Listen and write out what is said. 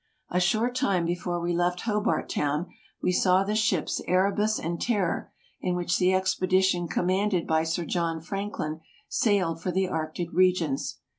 A short time before we left Hobart Town we saw the ships Erebus and Terror, in which the expedition commanded by Sir John Franklin sailed for the Arctic regions.